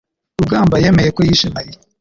rugamba yemeye ko yishe Mariya.